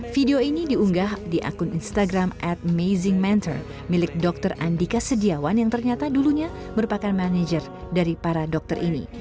video ini diunggah di akun instagram atmazing mentor milik dr andika sediawan yang ternyata dulunya merupakan manajer dari para dokter ini